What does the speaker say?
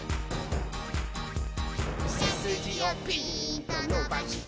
「せすじをピーンとのばして」